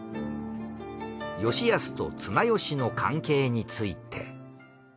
吉保と綱吉の関係について。